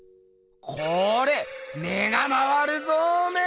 これ目が回るぞおめえ！